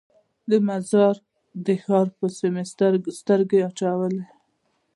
د مزار د ښار پسې مو سترګې اچولې.